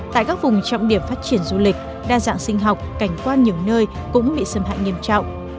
tại các vùng trọng điểm phát triển du lịch đa dạng sinh học cảnh quan nhiều nơi cũng bị xâm hại nghiêm trọng